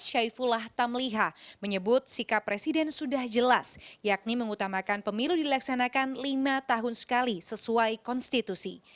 syaifullah tamliha menyebut sikap presiden sudah jelas yakni mengutamakan pemilu dilaksanakan lima tahun sekali sesuai konstitusi